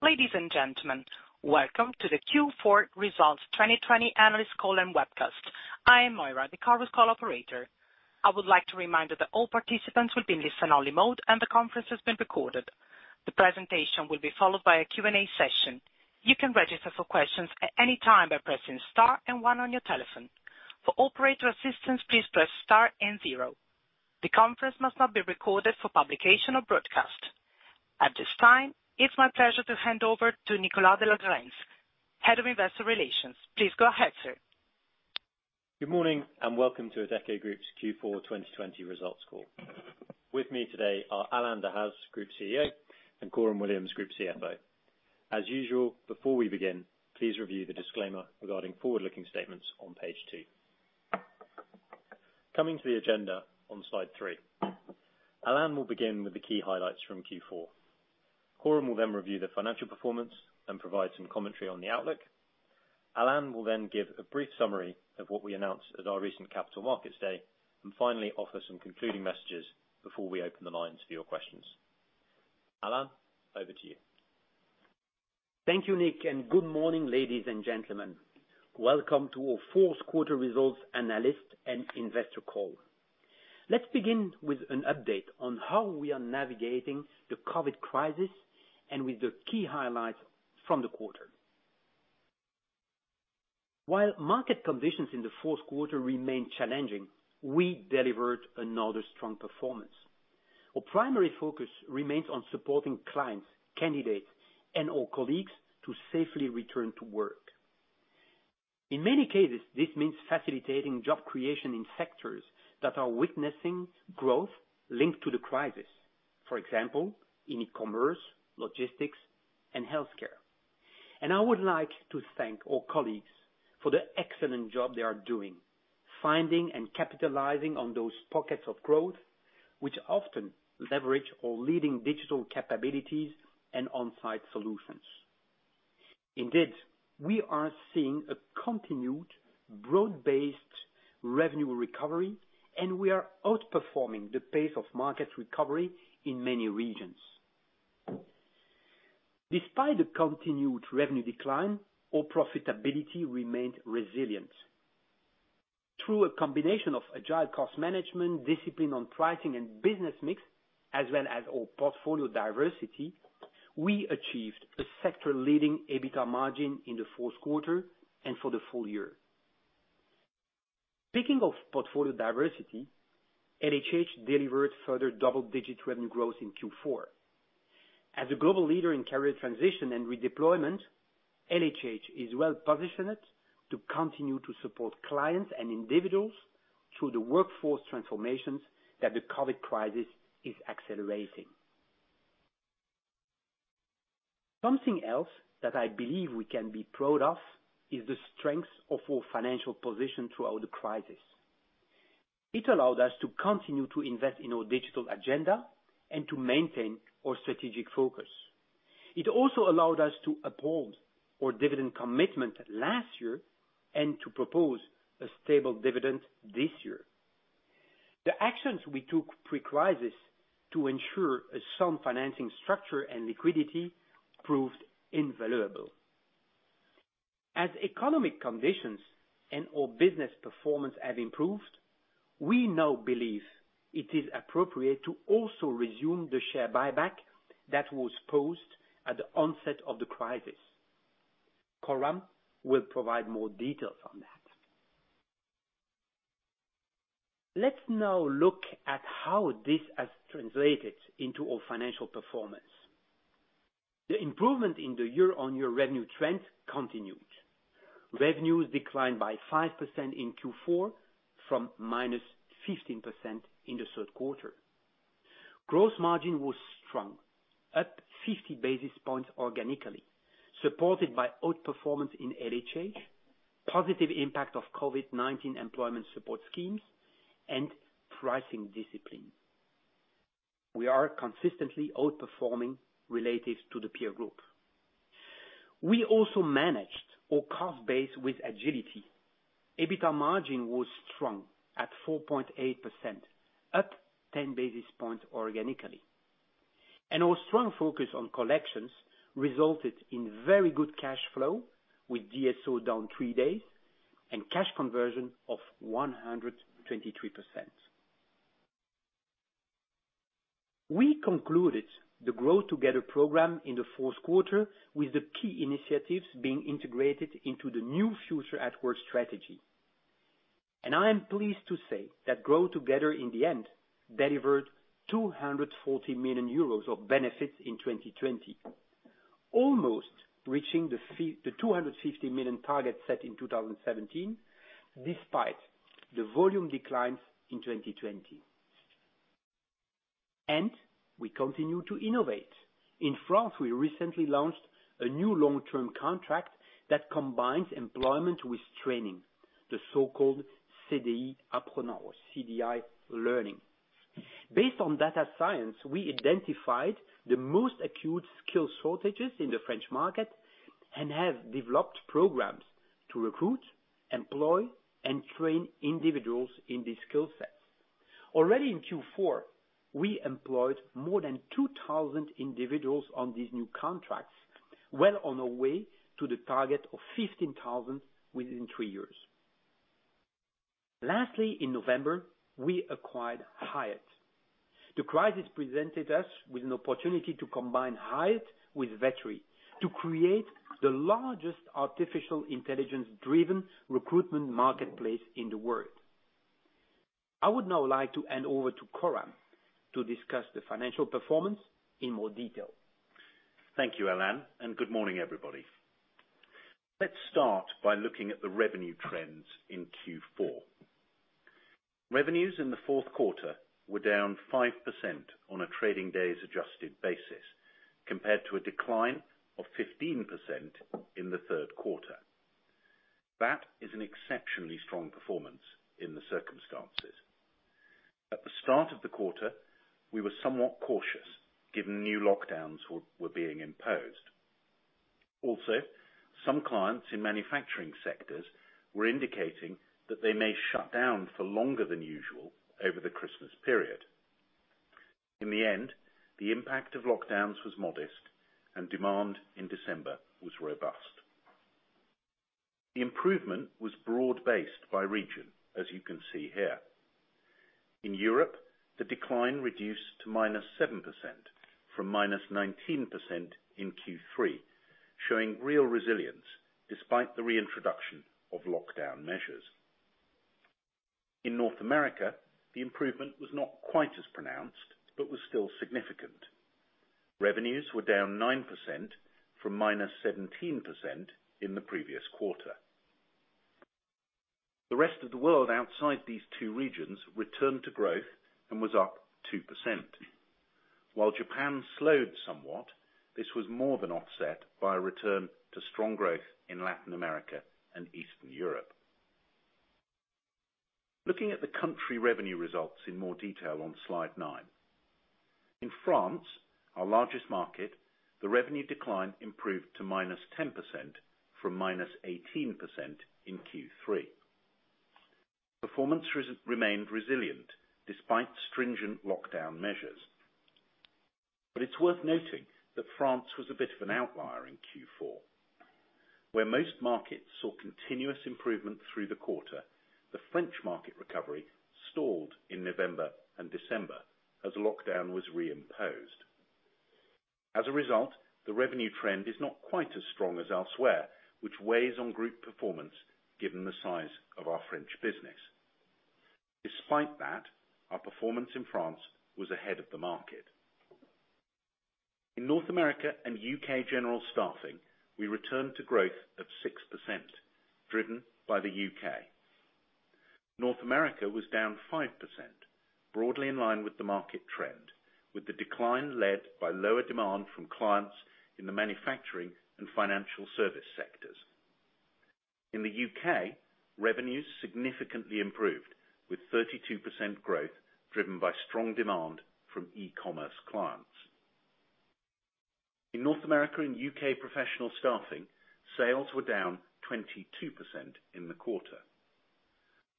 Ladies and gentlemen, welcome to the Q4 Results 2020 Analyst Call and Webcast. I am Moira, the conference call operator. I would like to remind you that all participants will be in listen-only mode, and the conference is being recorded. The presentation will be followed by a Q&A session. You can register for questions at any time by pressing star and one on your telephone. For operator assistance, please press star and zero. The conference must not be recorded for publication or broadcast. At this time, it's my pleasure to hand over to Nicolas de la Renaudie, Head of Investor Relations. Please go ahead, sir. Good morning, welcome to Adecco Group's Q4 2020 results call. With me today are Alain Dehaze, Group CEO, and Coram Williams, Group CFO. As usual, before we begin, please review the disclaimer regarding forward-looking statements on page two. Coming to the agenda on slide three. Alain will begin with the key highlights from Q4. Coram will then review the financial performance and provide some commentary on the outlook. Alain will then give a brief summary of what we announced at our recent Capital Markets Day, and finally offer some concluding messages before we open the lines for your questions. Alain, over to you. Thank you, Nic, and good morning, ladies and gentlemen. Welcome to our fourth quarter results analyst and investor call. Let's begin with an update on how we are navigating the COVID crisis and with the key highlights from the quarter. While market conditions in the fourth quarter remained challenging, we delivered another strong performance. Our primary focus remains on supporting clients, candidates, and our colleagues to safely return to work. In many cases, this means facilitating job creation in sectors that are witnessing growth linked to the crisis. For example, in e-commerce, logistics, and healthcare. I would like to thank our colleagues for the excellent job they are doing finding and capitalizing on those pockets of growth, which often leverage our leading digital capabilities and on-site solutions. Indeed, we are seeing a continued broad-based revenue recovery, and we are outperforming the pace of market recovery in many regions. Despite the continued revenue decline, our profitability remained resilient. Through a combination of agile cost management, discipline on pricing and business mix, as well as our portfolio diversity, we achieved a sector-leading EBITDA margin in the fourth quarter and for the full year. Speaking of portfolio diversity, LHH delivered further double-digit revenue growth in Q4. As a global leader in career transition and redeployment, LHH is well-positioned to continue to support clients and individuals through the workforce transformations that the COVID crisis is accelerating. Something else that I believe we can be proud of is the strength of our financial position throughout the crisis. It allowed us to continue to invest in our digital agenda and to maintain our strategic focus. It also allowed us to uphold our dividend commitment last year and to propose a stable dividend this year. The actions we took pre-crisis to ensure a sound financing structure and liquidity proved invaluable. As economic conditions and our business performance have improved, we now believe it is appropriate to also resume the share buyback that was paused at the onset of the crisis. Coram will provide more details on that. Let's now look at how this has translated into our financial performance. The improvement in the year-on-year revenue trend continued. Revenues declined by 5% in Q4 from -15% in the third quarter. Gross margin was strong, up 50 basis points organically, supported by outperformance in LHH, positive impact of COVID-19 employment support schemes, and pricing discipline. We are consistently outperforming relative to the peer group. We also managed our cost base with agility. EBITDA margin was strong at 4.8%, up 10 basis points organically. Our strong focus on collections resulted in very good cash flow with DSO down three days and cash conversion of 123%. We concluded the GrowTogether program in the fourth quarter with the key initiatives being integrated into the new Future@Work strategy. I am pleased to say that GrowTogether, in the end, delivered 240 million euros of benefits in 2020, almost reaching the 250 million target set in 2017, despite the volume declines in 2020. We continue to innovate. In France, we recently launched a new long-term contract that combines employment with training, the so-called CDI Apprenant or CDI Learning. Based on data science, we identified the most acute skill shortages in the French market and have developed programs to recruit, employ, and train individuals in these skill sets. Already in Q4, we employed more than 2,000 individuals on these new contracts, well on our way to the target of 15,000 within three years. Lastly, in November, we acquired Hired. The crisis presented us with an opportunity to combine Hired with Vettery to create the largest artificial intelligence-driven recruitment marketplace in the world. I would now like to hand over to Coram to discuss the financial performance in more detail. Thank you, Alain. Good morning, everybody. Let's start by looking at the revenue trends in Q4. Revenues in the fourth quarter were down 5% on a trading days adjusted basis, compared to a decline of 15% in the third quarter. That is an exceptionally strong performance in the circumstances. At the start of the quarter, we were somewhat cautious, given new lockdowns were being imposed. Some clients in manufacturing sectors were indicating that they may shut down for longer than usual over the Christmas period. In the end, the impact of lockdowns was modest, and demand in December was robust. The improvement was broad-based by region, as you can see here. In Europe, the decline reduced to minus 7%, from minus 19% in Q3, showing real resilience despite the reintroduction of lockdown measures. In North America, the improvement was not quite as pronounced but was still significant. Revenues were down 9%, from minus 17% in the previous quarter. The rest of the world outside these two regions returned to growth and was up 2%. While Japan slowed somewhat, this was more than offset by a return to strong growth in Latin America and Eastern Europe. Looking at the country revenue results in more detail on slide nine. In France, our largest market, the revenue decline improved to minus 10%, from minus 18% in Q3. Performance remained resilient despite stringent lockdown measures. It's worth noting that France was a bit of an outlier in Q4, where most markets saw continuous improvement through the quarter. The French market recovery stalled in November and December as lockdown was reimposed. The revenue trend is not quite as strong as elsewhere, which weighs on group performance given the size of our French business. Despite that, our performance in France was ahead of the market. In North America and U.K. general staffing, we returned to growth of 6%, driven by the U.K. North America was down 5%, broadly in line with the market trend, with the decline led by lower demand from clients in the manufacturing and financial service sectors. In the U.K., revenues significantly improved with 32% growth, driven by strong demand from e-commerce clients. In North America and U.K. professional staffing, sales were down 22% in the quarter.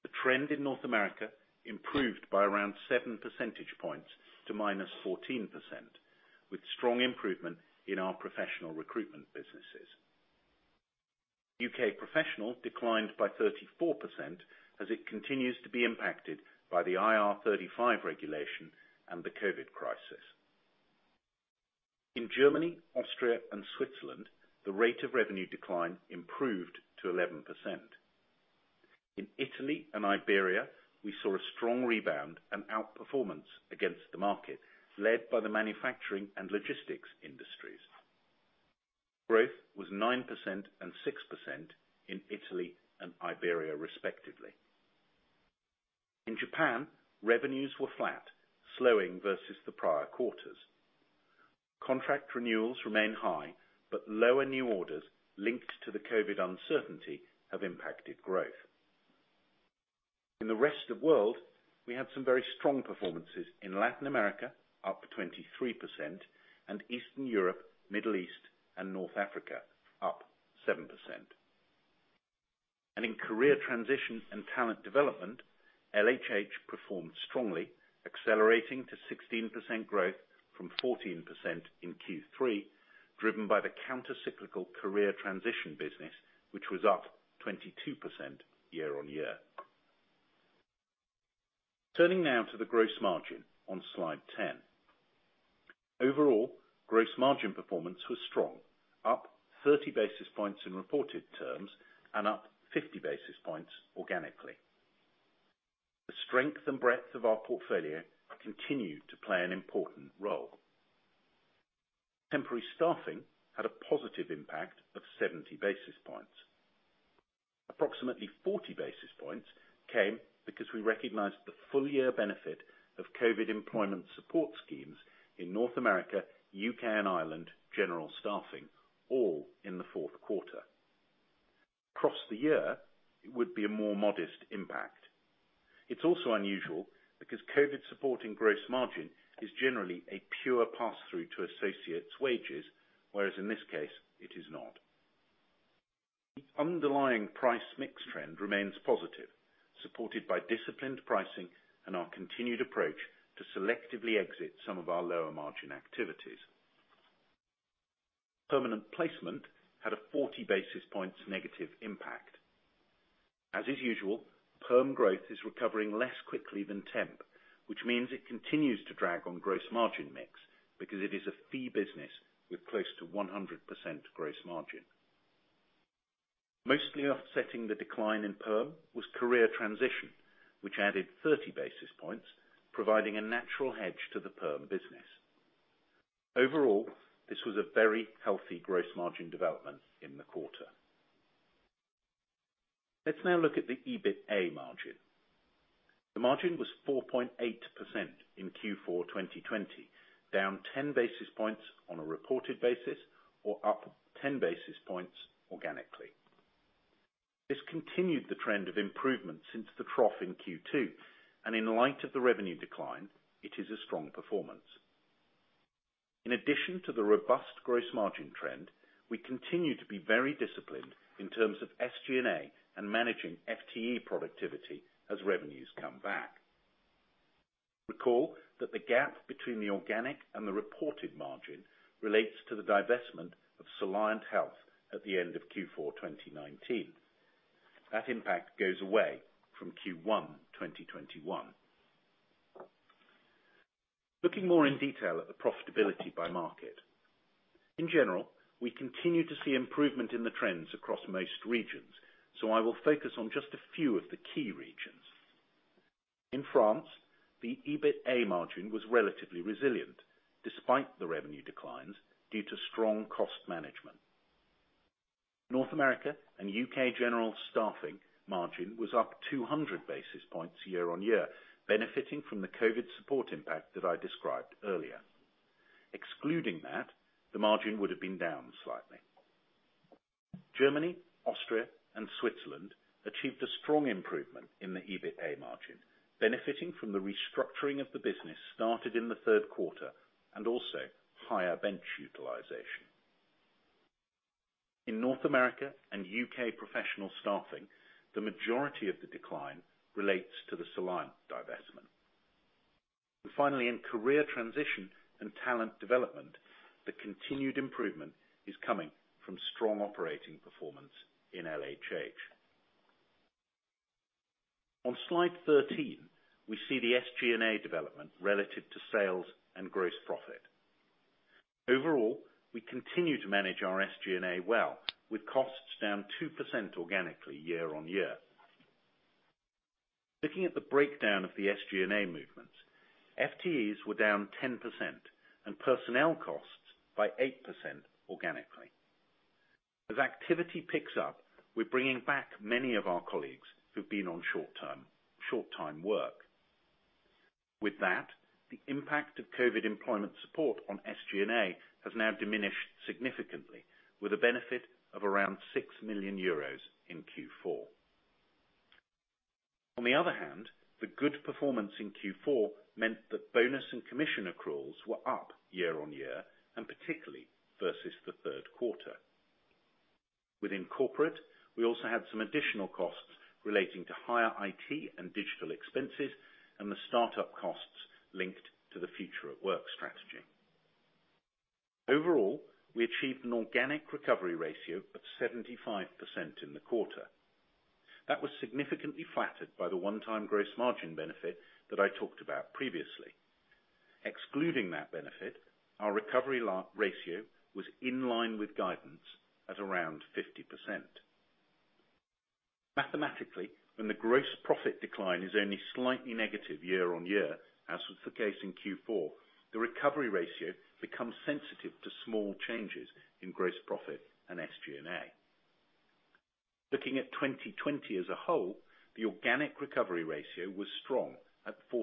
The trend in North America improved by around seven percentage points to -14%, with strong improvement in our professional recruitment businesses. U.K. professional declined by 34% as it continues to be impacted by the IR35 regulation and the COVID crisis. In Germany, Austria, and Switzerland, the rate of revenue decline improved to 11%. In Italy and Iberia, we saw a strong rebound and outperformance against the market, led by the manufacturing and logistics industries. Growth was 9% and 6% in Italy and Iberia, respectively. In Japan, revenues were flat, slowing versus the prior quarters. Contract renewals remain high, but lower new orders linked to the COVID uncertainty have impacted growth. In the rest of world, we had some very strong performances in Latin America, up 23%, and Eastern Europe, Middle East, and North Africa up 7%. In career transition and talent development, LHH performed strongly, accelerating to 16% growth from 14% in Q3, driven by the counter-cyclical career transition business, which was up 22% year-on-year. Turning now to the gross margin on slide 10. Overall, gross margin performance was strong, up 30 basis points in reported terms and up 50 basis points organically. The strength and breadth of our portfolio continue to play an important role. Temporary staffing had a positive impact of 70 basis points. Approximately 40 basis points came because we recognized the full year benefit of COVID employment support schemes in North America, U.K. and Ireland general staffing all in the fourth quarter. Across the year, it would be a more modest impact. It's also unusual because COVID supporting gross margin is generally a pure pass-through to associates' wages, whereas in this case it is not. The underlying price mix trend remains positive, supported by disciplined pricing and our continued approach to selectively exit some of our lower margin activities. Permanent placement had a 40 basis points negative impact. As is usual, perm growth is recovering less quickly than temp, which means it continues to drag on gross margin mix because it is a fee business with close to 100% gross margin. Mostly offsetting the decline in perm was career transition, which added 30 basis points, providing a natural hedge to the perm business. Overall, this was a very healthy gross margin development in the quarter. Let's now look at the EBITA margin. The margin was 4.8% in Q4 2020, down 10 basis points on a reported basis or up 10 basis points organically. This continued the trend of improvement since the trough in Q2, and in light of the revenue decline, it is a strong performance. In addition to the robust gross margin trend, we continue to be very disciplined in terms of SG&A and managing FTE productivity as revenues come back. Recall that the gap between the organic and the reported margin relates to the divestment of Soliant Health at the end of Q4 2019. That impact goes away from Q1 2021. Looking more in detail at the profitability by market. In general, we continue to see improvement in the trends across most regions, so I will focus on just a few of the key regions. In France, the EBITA margin was relatively resilient despite the revenue declines due to strong cost management. North America and U.K. general staffing margin was up 200 basis points year-on-year, benefiting from the COVID support impact that I described earlier. Excluding that, the margin would have been down slightly. Germany, Austria, and Switzerland achieved a strong improvement in the EBITA margin, benefiting from the restructuring of the business started in the third quarter, and also higher bench utilization. In North America and U.K. professional staffing, the majority of the decline relates to the Soliant divestment. Finally, in career transition and talent development, the continued improvement is coming from strong operating performance in LHH. On slide 13, we see the SG&A development relative to sales and gross profit. Overall, we continue to manage our SG&A well, with costs down 2% organically year-on-year. Looking at the breakdown of the SG&A movements, FTEs were down 10% and personnel costs by 8% organically. As activity picks up, we're bringing back many of our colleagues who've been on short-time work. With that, the impact of COVID employment support on SG&A has now diminished significantly with a benefit of around 6 million euros in Q4. On the other hand, the good performance in Q4 meant that bonus and commission accruals were up year-on-year, and particularly versus the third quarter. Within corporate, we also had some additional costs relating to higher IT and digital expenses and the start-up costs linked to the Future@Work strategy. Overall, we achieved an organic recovery ratio of 75% in the quarter. That was significantly flattered by the one-time gross margin benefit that I talked about previously. Excluding that benefit, our recovery ratio was in line with guidance at around 50%. Mathematically, when the gross profit decline is only slightly negative year-on-year, as was the case in Q4, the recovery ratio becomes sensitive to small changes in gross profit and SG&A. Looking at 2020 as a whole, the organic recovery ratio was strong at 47%.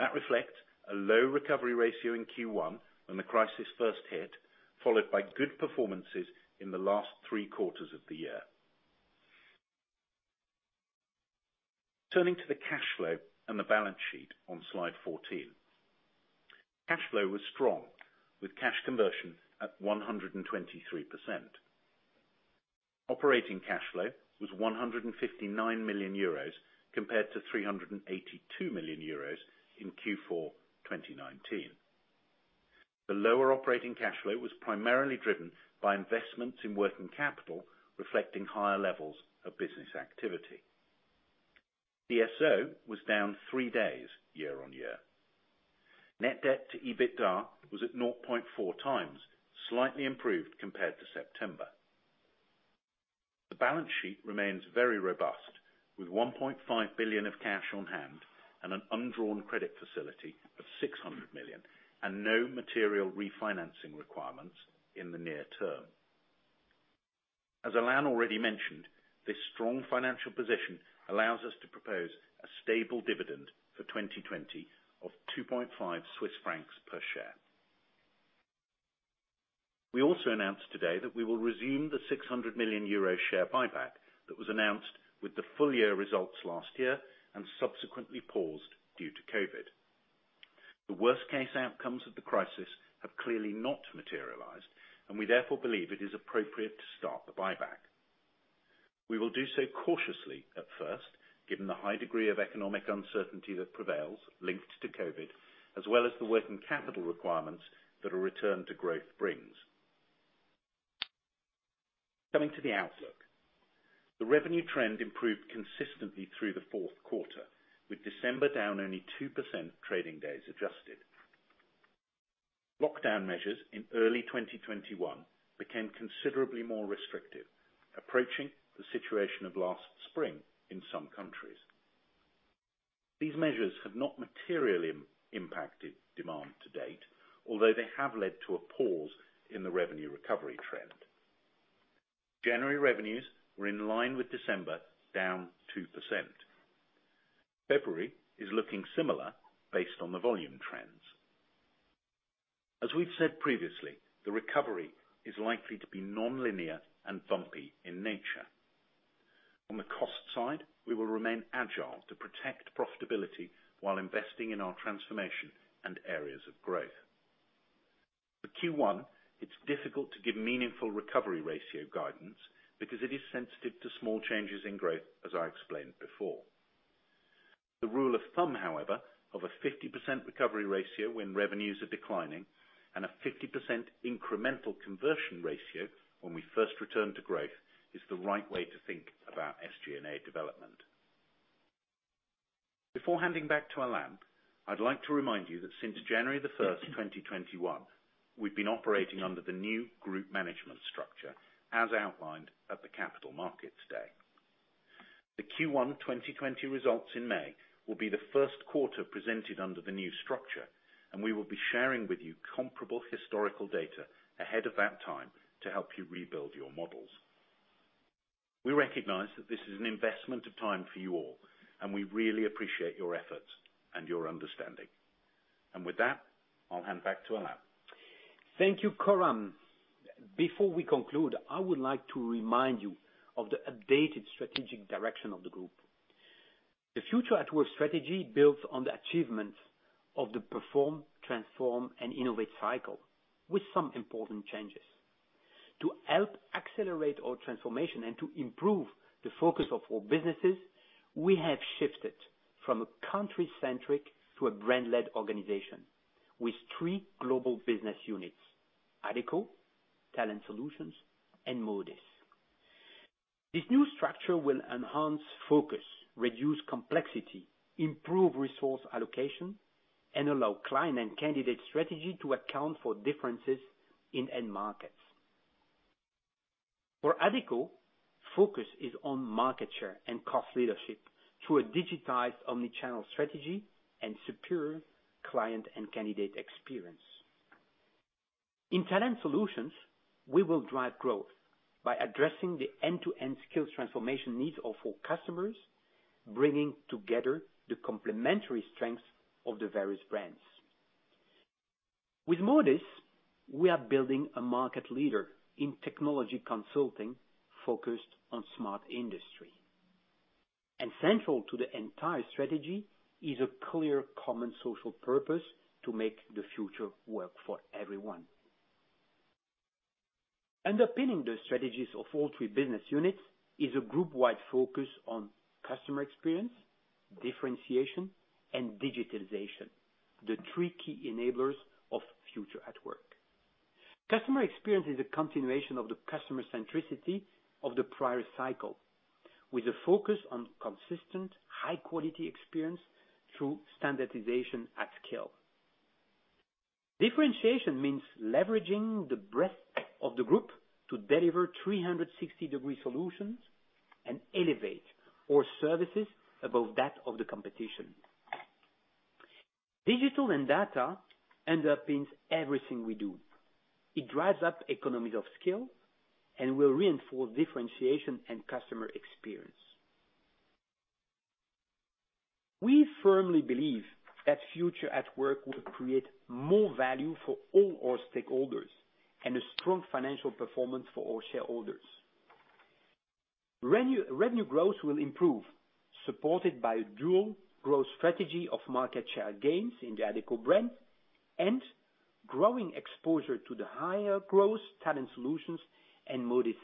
That reflects a low recovery ratio in Q1 when the crisis first hit, followed by good performances in the last three quarters of the year. Turning to the cash flow and the balance sheet on slide 14. Cash flow was strong with cash conversion at 123%. Operating cash flow was €159 million compared to €382 million in Q4 2019. The lower operating cash flow was primarily driven by investments in working capital, reflecting higher levels of business activity. DSO was down three days year-on-year. Net debt to EBITDA was at 0.4 times, slightly improved compared to September. The balance sheet remains very robust with 1.5 billion of cash on hand and an undrawn credit facility of 600 million and no material refinancing requirements in the near term. As Alain already mentioned, this strong financial position allows us to propose a stable dividend for 2020 of 2.5 Swiss francs per share. We also announced today that we will resume the 600 million euro share buyback that was announced with the full year results last year and subsequently paused due to COVID. The worst case outcomes of the crisis have clearly not materialized, and we therefore believe it is appropriate to start the buyback. We will do so cautiously at first, given the high degree of economic uncertainty that prevails linked to COVID, as well as the working capital requirements that a return to growth brings. Coming to the outlook. The revenue trend improved consistently through the fourth quarter, with December down only 2% trading days adjusted. Lockdown measures in early 2021 became considerably more restrictive, approaching the situation of last spring in some countries. These measures have not materially impacted demand to date, although they have led to a pause in the revenue recovery trend. January revenues were in line with December, down 2%. February is looking similar based on the volume trends. As we've said previously, the recovery is likely to be nonlinear and bumpy in nature. On the cost side, we will remain agile to protect profitability while investing in our transformation and areas of growth. For Q1, it's difficult to give meaningful recovery ratio guidance because it is sensitive to small changes in growth, as I explained before. The rule of thumb, however, of a 50% recovery ratio when revenues are declining and a 50% incremental conversion ratio when we first return to growth, is the right way to think about SG&A development. Before handing back to Alain, I'd like to remind you that since January the 1st, 2021, we've been operating under the new group management structure as outlined at the Capital Markets Day. The Q1 2020 results in May will be the first quarter presented under the new structure, and we will be sharing with you comparable historical data ahead of that time to help you rebuild your models. We recognize that this is an investment of time for you all, and we really appreciate your efforts and your understanding. With that, I'll hand back to Alain. Thank you, Coram. Before we conclude, I would like to remind you of the updated strategic direction of the Group. The Future@Work strategy builds on the achievements of the Perform, Transform and Innovate cycle, with some important changes. To help accelerate our transformation and to improve the focus of our businesses, we have shifted from a country-centric to a brand-led organization with three global business units, Adecco, Talent Solutions, and Modis. This new structure will enhance focus, reduce complexity, improve resource allocation, and allow client and candidate strategy to account for differences in end markets. For Adecco, focus is on market share and cost leadership through a digitized omni-channel strategy and superior client and candidate experience. In Talent Solutions, we will drive growth by addressing the end-to-end skills transformation needs of all customers, bringing together the complementary strengths of the various brands. With Modis, we are building a market leader in technology consulting focused on smart industry. Central to the entire strategy is a clear common social purpose to make the future work for everyone. Underpinning the strategies of all three business units is a group-wide focus on customer experience, differentiation, and digitalization, the three key enablers of Future@Work. Customer experience is a continuation of the customer centricity of the prior cycle, with a focus on consistent, high-quality experience through standardization at scale. Differentiation means leveraging the breadth of the Group to deliver 360-degree solutions and elevate our services above that of the competition. Digital and data underpins everything we do. It drives up economies of scale and will reinforce differentiation and customer experience. We firmly believe that Future@Work will create more value for all our stakeholders and a strong financial performance for our shareholders. Revenue growth will improve, supported by a dual growth strategy of market share gains in the Adecco and growing exposure to the higher growth Talent Solutions and Modis.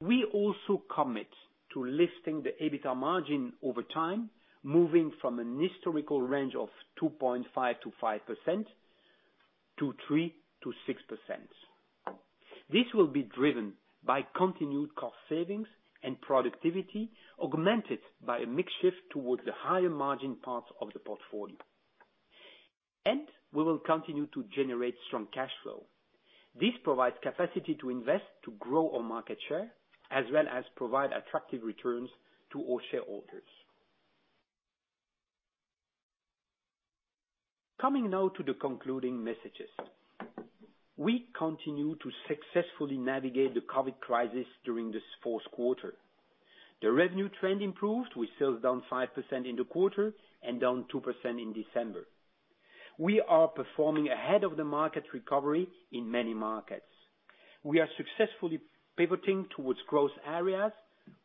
We also commit to lifting the EBITDA margin over time, moving from an historical range of 2.5%-5%, to 3%-6%. We will continue to generate strong cash flow. This provides capacity to invest to grow our market share, as well as provide attractive returns to our shareholders. Coming now to the concluding messages. We continue to successfully navigate the COVID during this fourth quarter. The revenue trend improved, with sales down 5% in the quarter and down 2% in December. We are performing ahead of the market recovery in many markets. We are successfully pivoting towards growth areas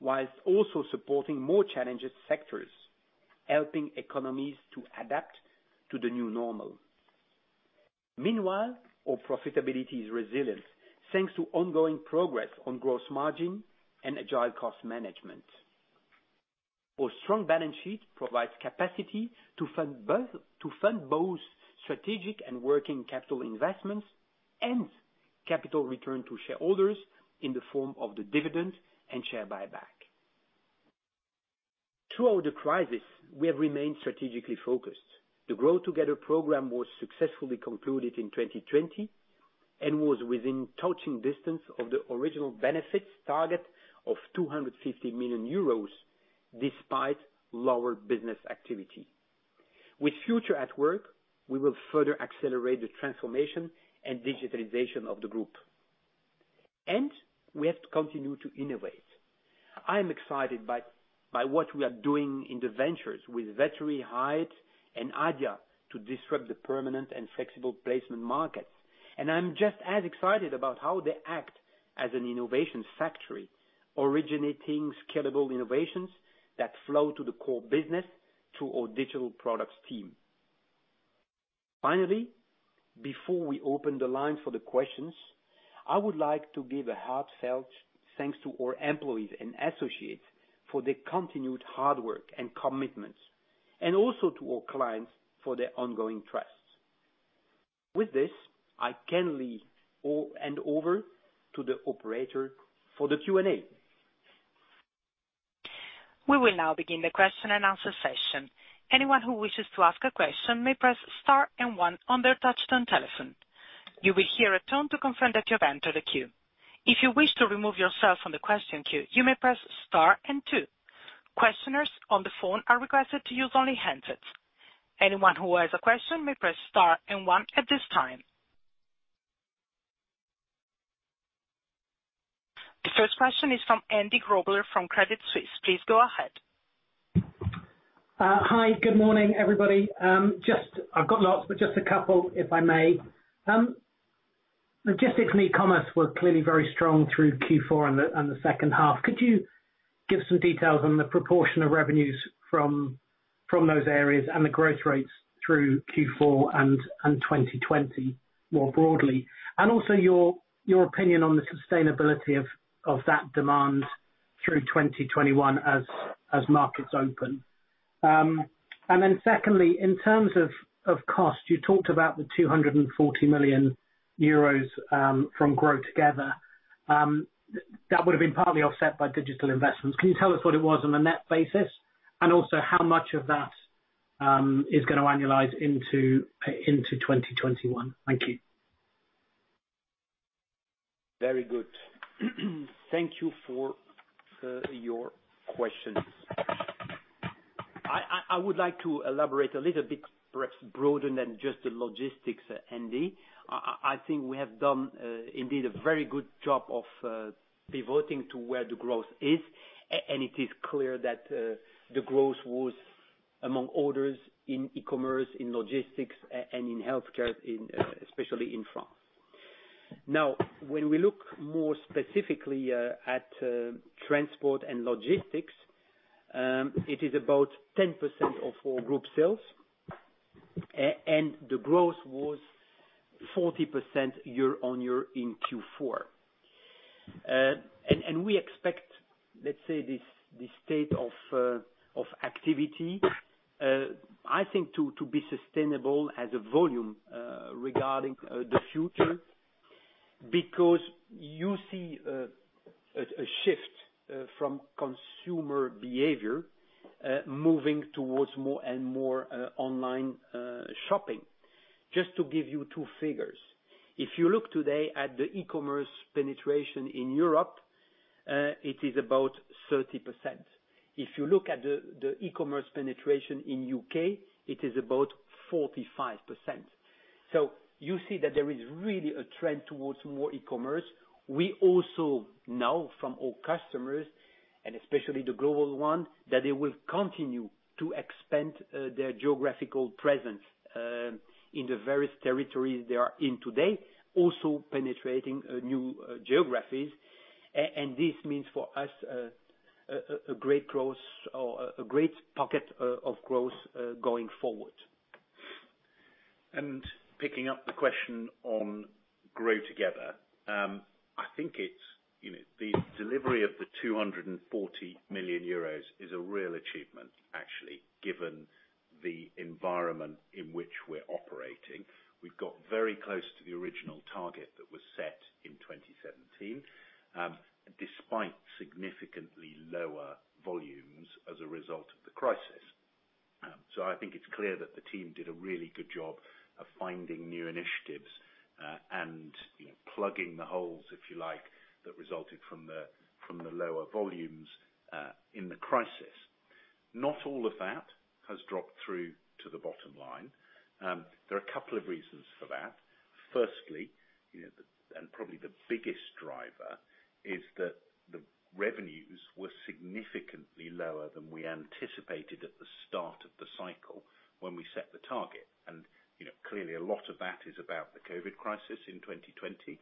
whilst also supporting more challenging sectors, helping economies to adapt to the new normal. Meanwhile, our profitability is resilient, thanks to ongoing progress on gross margin and agile cost management. Our strong balance sheet provides capacity to fund both strategic and working capital investments and capital return to shareholders in the form of the dividend and share buyback. Throughout the crisis, we have remained strategically focused. The GrowTogether program was successfully concluded in 2020 and was within touching distance of the original benefits target of 250 million euros despite lower business activity. With Future@Work, we will further accelerate the transformation and digitalization of the group, and we have to continue to innovate. I am excited by what we are doing in the ventures with Vettery, Hired, and Adia to disrupt the permanent and flexible placement markets. I'm just as excited about how they act as an innovation factory, originating scalable innovations that flow to the core business through our digital products team. Finally, before we open the line for the questions, I would like to give a heartfelt thanks to all employees and associates for their continued hard work and commitment. Also to our clients for their ongoing trust. With this, I can hand over to the operator for the Q&A. We will now begin the question and answer session. Anyone who wishes to ask a question may press star and one on their touch-tone telephone. You will hear a tone to confirm that you have entered a queue. If you wish to remove yourself from the question queue, you may press star and two. Questioners on the phone are requested to use only handsets. Anyone who has a question may press star and one at this time. The first question is from Andy Grobler from Credit Suisse. Please go ahead. Hi. Good morning, everybody. I've got lots, but just a couple, if I may. Logistically, commerce was clearly very strong through Q4 and the second half. Could you give some details on the proportion of revenues from those areas and the growth rates through Q4 and 2020 more broadly? Also your opinion on the sustainability of that demand through 2021 as markets open. Secondly, in terms of cost, you talked about the 240 million euros from GrowTogether. That would have been partly offset by digital investments. Can you tell us what it was on a net basis? Also how much of that is going to annualize into 2021? Thank you. Very good. Thank you for your questions. I would like to elaborate a little bit, perhaps broader than just the logistics, Andy. I think we have done indeed a very good job of pivoting to where the growth is. It is clear that the growth was, among others, in e-commerce, in logistics, and in healthcare, especially in France. When we look more specifically at transport and logistics, it is about 10% of our group sales. The growth was 40% year-over-year in Q4. We expect, let's say, this state of activity, I think to be sustainable as a volume regarding the future, because you see a shift from consumer behavior moving towards more and more online shopping. Just to give you two figures. If you look today at the e-commerce penetration in Europe, it is about 30%. If you look at the e-commerce penetration in U.K., it is about 45%. You see that there is really a trend towards more e-commerce. We also know from our customers, and especially the global one, that they will continue to expand their geographical presence in the various territories they are in today, also penetrating new geographies. This means, for us, a great growth or a great pocket of growth going forward. Picking up the question on GrowTogether. I think the delivery of the 240 million euros is a real achievement, actually, given the environment in which we're operating. We've got very close to the original target that was set in 2017, despite significantly lower volumes as a result of the crisis. I think it's clear that the team did a really good job of finding new initiatives and plugging the holes, if you like, that resulted from the lower volumes in the crisis. Not all of that has dropped through to the bottom line. There are a couple of reasons for that. Firstly, and probably the biggest driver, is that the revenues were significantly lower than we anticipated at the start of the cycle when we set the target. Clearly, a lot of that is about the COVID crisis in 2020.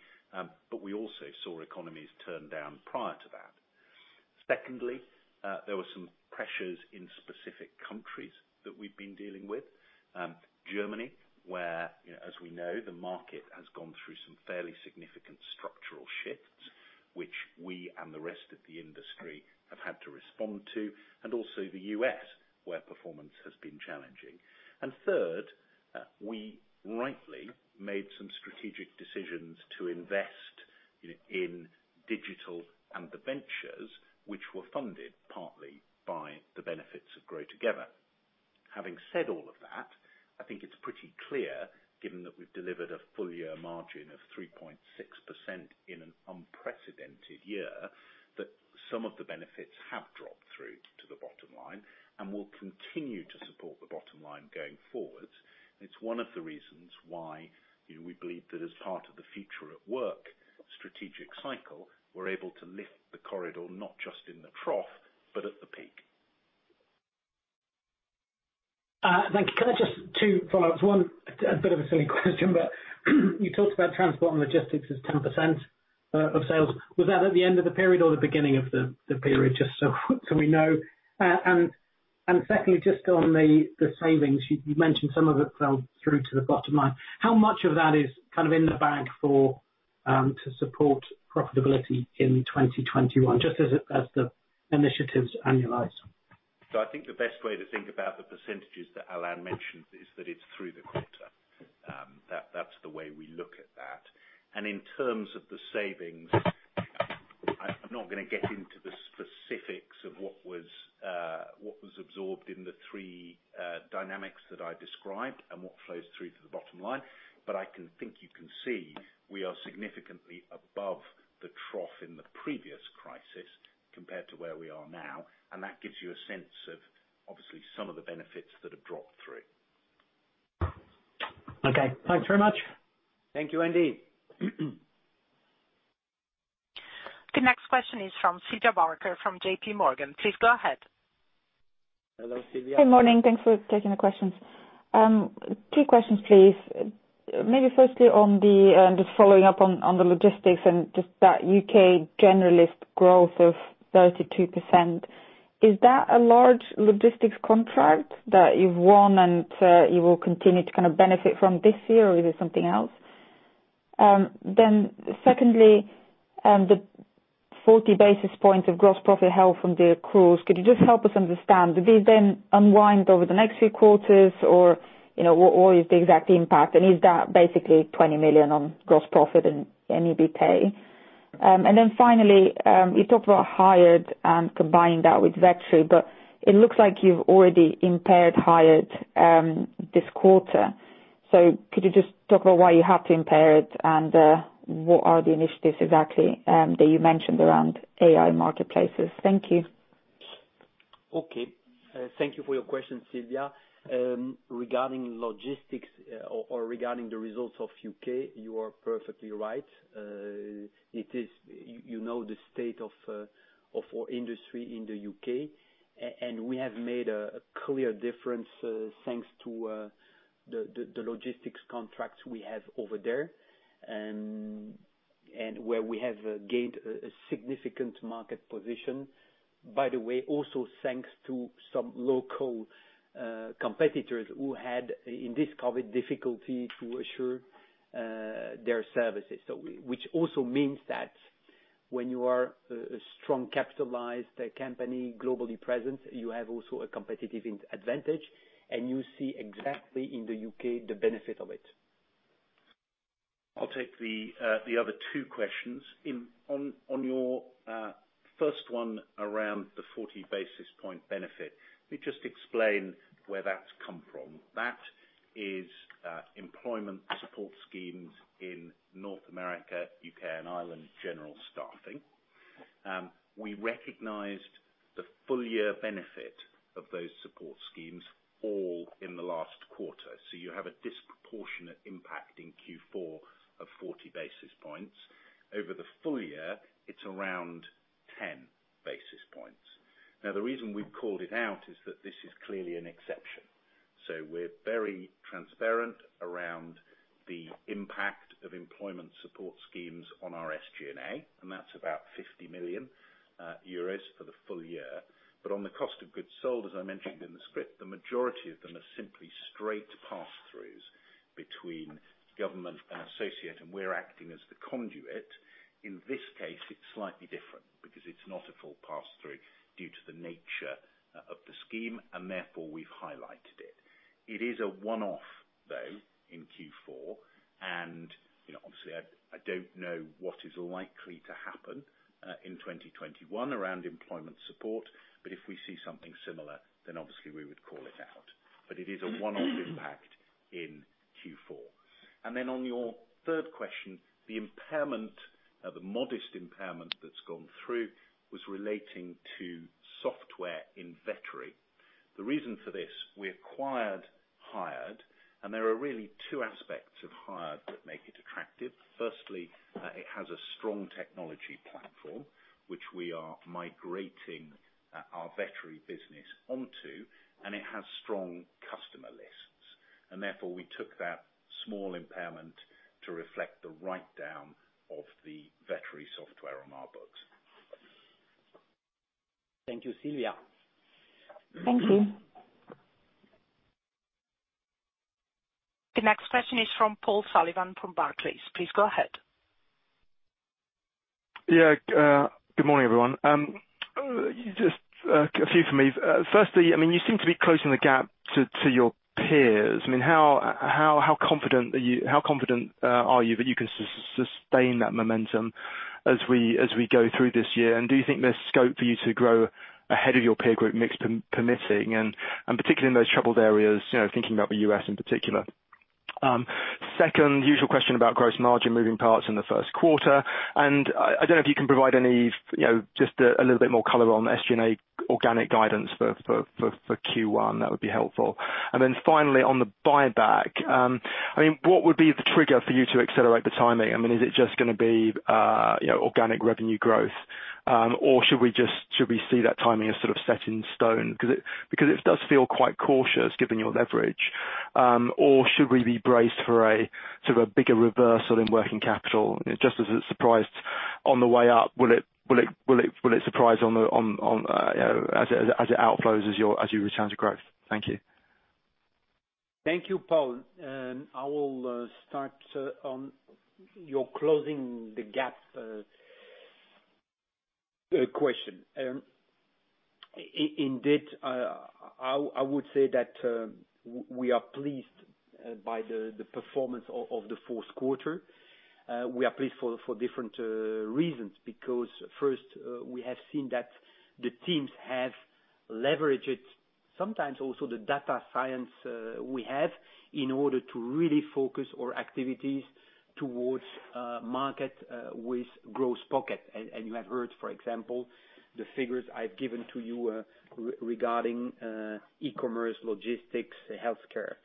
We also saw economies turn down prior to that. Secondly, there were some pressures in specific countries that we've been dealing with. Germany, where, as we know, the market has gone through some fairly significant structural shifts, which we and the rest of the industry have had to respond to, and also the U.S., where performance has been challenging. Third, we rightly made some strategic decisions to invest in digital and the ventures which were funded partly by the benefits of Grow Together. Having said all of that, I think it's pretty clear, given that we've delivered a full year margin of 3.6% in an unprecedented year, that some of the benefits have dropped through to the bottom line and will continue to support the bottom line going forward. It's one of the reasons why we believe that as part of the Future@Work strategic cycle, we're able to lift the corridor not just in the trough, but at the peak. Thank you. Can I just, two follow-ups. One, a bit of a silly question, you talked about transport and logistics as 10% of sales. Was that at the end of the period or the beginning of the period, just so we know? Secondly, just on the savings you mentioned some of it fell through to the bottom line. How much of that is kind of in the bag to support profitability in 2021, just as the initiatives annualize? I think the best way to think about the %s that Alain mentioned is that it's through the quarter. That's the way we look at that. In terms of the savings, I'm not going to get into the specifics of what was absorbed in the three dynamics that I described and what flows through to the bottom line, but I think you can see we are significantly above the trough in the previous crisis compared to where we are now. That gives you a sense of obviously some of the benefits that have dropped through. Okay. Thanks very much. Thank you, Andy. The next question is from Sylvia Barker from JPMorgan. Please go ahead. Hello, Sylvia. Good morning. Thanks for taking the questions. Two questions, please. Maybe firstly, just following up on the logistics and just that U.K. generalist growth of 32%, is that a large logistics contract that you've won and you will continue to kind of benefit from this year, or is it something else? Secondly, the 40 basis points of gross profit held from the accruals. Could you just help us understand, do these then unwind over the next few quarters or what is the exact impact? Is that basically 20 million on gross profit and EBITA? Finally, you talked about Hired and combining that with Vettery, but it looks like you've already impaired Hired this quarter. Could you just talk about why you have to impair it and what are the initiatives exactly that you mentioned around AI marketplaces? Thank you. Okay. Thank you for your question, Sylvia. Regarding logistics or regarding the results of the U.K., you are perfectly right. You know the state of our industry in the U.K., and we have made a clear difference thanks to the logistics contracts we have over there, and where we have gained a significant market position. By the way, also thanks to some local competitors who had, in this COVID, difficulty to assure their services. Which also means that when you are a strong, capitalized company, globally present, you have also a competitive advantage, and you see exactly in the U.K. the benefit of it. I'll take the other two questions. On your first one around the 40 basis point benefit, let me just explain where that's come from. That is employment support schemes in North America, U.K., and Ireland general staffing. We recognized the full year benefit of those support schemes all in the last quarter. You have a disproportionate impact in Q4 of 40 basis points. Over the full year, it's around 10 basis points. The reason we've called it out is that this is clearly an exception. We're very transparent around the impact of employment support schemes on our SG&A, and that's about 50 million euros for the full year. On the cost of goods sold, as I mentioned in the script, the majority of them are simply straight pass-throughs between government and associate, and we're acting as the conduit. In this case, it's slightly different because it's not a full pass-through due to the nature of the scheme, and therefore we've highlighted it. It is a one-off, though, in Q4. Obviously, I don't know what is likely to happen in 2021 around employment support, but if we see something similar, then obviously we would call it out. It is a one-off impact in Q4. Then on your third question, the impairment, the modest impairment that's gone through was relating to software in Vettery. The reason for this, we acquired Hired, and there are really two aspects of Hired that make it attractive. Firstly, it has a strong technology platform, which we are migrating our Vettery business onto, and it has strong customer lists. Therefore, we took that small impairment to reflect the write-down of the Vettery software on our books. Thank you. Sylvia? Thank you. The next question is from Paul Sullivan from Barclays. Please go ahead. Good morning, everyone. Just a few from me. Firstly, you seem to be closing the gap to your peers. How confident are you that you can sustain that momentum as we go through this year? Do you think there's scope for you to grow ahead of your peer group, mix permitting, and particularly in those troubled areas, thinking about the U.S. in particular? Second, usual question about gross margin moving parts in the first quarter. I don't know if you can provide just a little bit more color on SG&A organic guidance for Q1. That would be helpful. Then finally, on the buyback. What would be the trigger for you to accelerate the timing? Is it just going to be organic revenue growth? Should we see that timing as sort of set in stone? Because it does feel quite cautious given your leverage. Should we be braced for a bigger reversal in working capital, just as it surprised on the way up, will it surprise as it outflows as you return to growth? Thank you. Thank you, Paul. I will start on your closing the gap question. I would say that we are pleased by the performance of the fourth quarter. We are pleased for different reasons. First, we have seen that the teams have leveraged sometimes also the data science we have in order to really focus our activities towards market with growth pocket. You have heard, for example, the figures I've given to you regarding e-commerce, logistics, healthcare.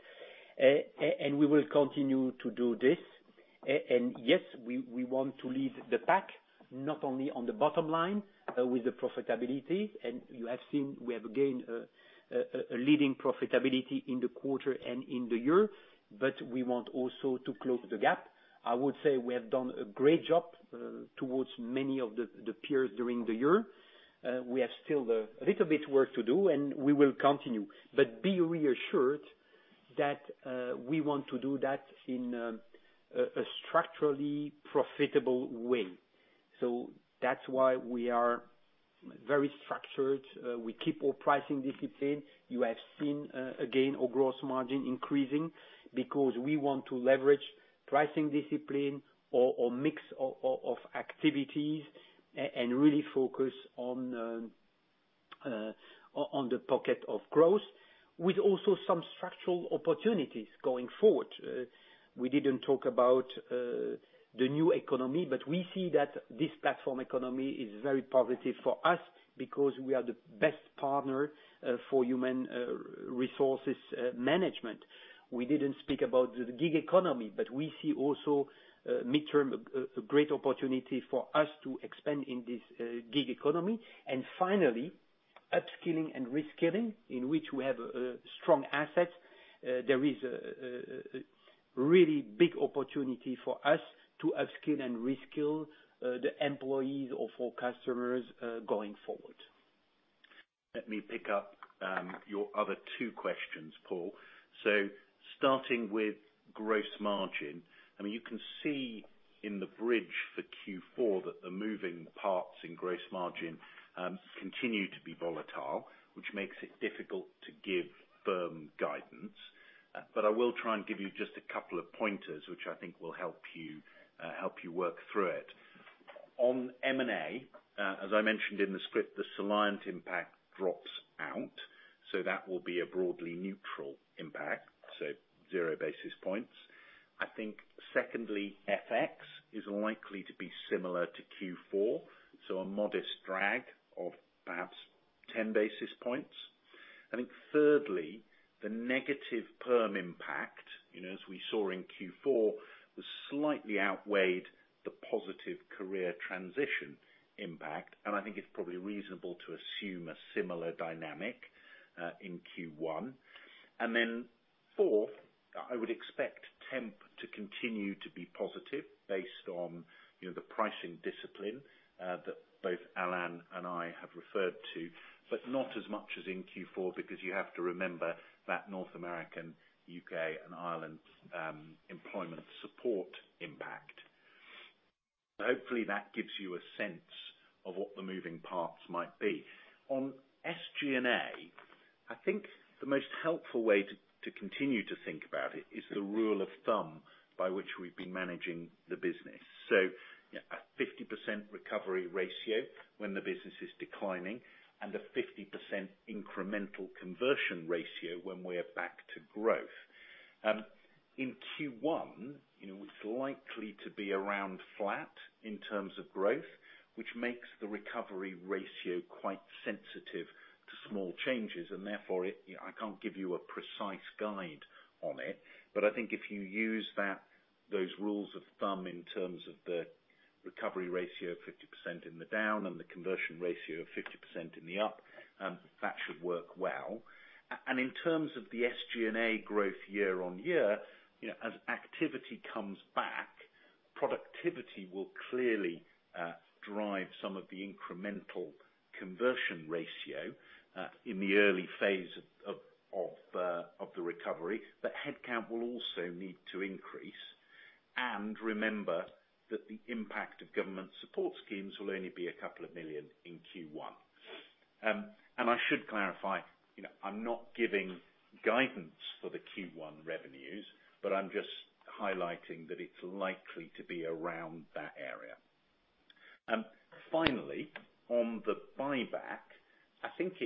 We will continue to do this. Yes, we want to lead the pack, not only on the bottom line with the profitability, and you have seen we have again, a leading profitability in the quarter and in the year, but we want also to close the gap. I would say we have done a great job towards many of the peers during the year. We have still a little bit work to do, and we will continue. Be reassured that we want to do that in a structurally profitable way. That's why we are very structured. We keep our pricing discipline. You have seen, again, our gross margin increasing because we want to leverage pricing discipline or mix of activities and really focus on the pocket of growth with also some structural opportunities going forward. We didn't talk about the new economy, but we see that this platform economy is very positive for us because we are the best partner for human resources management. We didn't speak about the gig economy, but we see also midterm, a great opportunity for us to expand in this gig economy. Finally, upskilling and reskilling, in which we have strong assets. There is a really big opportunity for us to upskill and reskill the employees of our customers going forward. Let me pick up your other two questions, Paul. Starting with gross margin. You can see in the bridge for Q4 that the moving parts in gross margin continue to be volatile, which makes it difficult to give firm guidance. I will try and give you just a couple of pointers, which I think will help you work through it. On M&A, as I mentioned in the script, the Soliant impact drops out, that will be a broadly neutral impact. Zero basis points. I think secondly, FX is likely to be similar to Q4, a modest drag of perhaps 10 basis points. I think thirdly, the negative perm impact, as we saw in Q4, was slightly outweighed the positive career transition impact, it's probably reasonable to assume a similar dynamic in Q1. Fourth, I would expect temp to continue to be positive based on the pricing discipline that both Alain and I have referred to, but not as much as in Q4 because you have to remember that North American, U.K., and Ireland employment support impact. Hopefully, that gives you a sense of what the moving parts might be. On SG&A, I think the most helpful way to continue to think about it is the rule of thumb by which we've been managing the business. A 50% recovery ratio when the business is declining and a 50% incremental conversion ratio when we're back to growth. In Q1, it's likely to be around flat in terms of growth, which makes the recovery ratio quite sensitive to small changes, and therefore, I can't give you a precise guide on it. I think if you use those rules of thumb in terms of the recovery ratio, 50% in the down and the conversion ratio of 50% in the up, that should work well. In terms of the SG&A growth year-on-year, as activity comes back, productivity will clearly drive some of the incremental conversion ratio, in the early phase of the recovery. Headcount will also need to increase. Remember that the impact of government support schemes will only be 2 million in Q1. I should clarify, I'm not giving guidance for the Q1 revenues, but I'm just highlighting that it's likely to be around that area. Finally, on the buyback, I think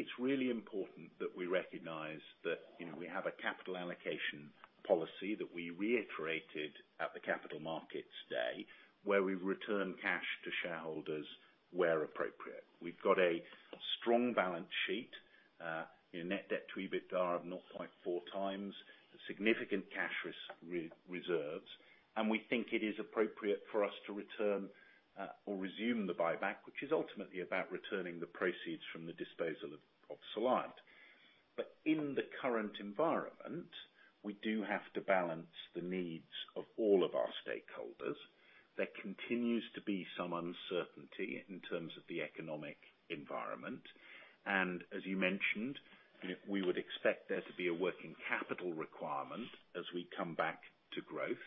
it's really important that we recognize that we have a capital allocation policy that we reiterated at the Capital Markets Day, where we return cash to shareholders where appropriate. We've got a strong balance sheet, net debt to EBITDA of 0.4x, significant cash reserves. We think it is appropriate for us to return or resume the buyback, which is ultimately about returning the proceeds from the disposal of Soliant. In the current environment, we do have to balance the needs of all of our stakeholders. There continues to be some uncertainty in terms of the economic environment. As you mentioned, we would expect there to be a working capital requirement as we come back to growth,